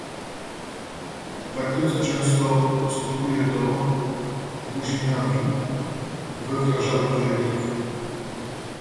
W praktyce często skutkuje to opóźnieniami we wdrażaniu projektów